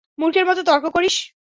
মূর্খের মত তর্ক করিস।